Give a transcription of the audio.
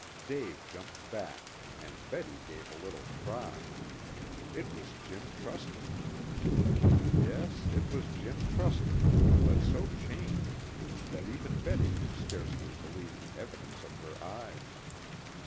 Dave jumped back, and Betty gave a little cry. It was Jim Truscott! Yes, it was Jim Truscott, but so changed that even Betty could scarcely believe the evidence of her eyes.